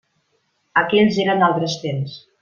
Aquells eren altres temps.